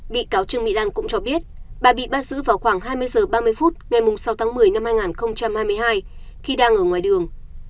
bị cáo trương mỹ lan cũng cho biết bà bị bắt giữ vào khoảng hai mươi h ba mươi phút ngày sáu tháng một mươi năm hai nghìn hai mươi hai khi đang ở ngoài đường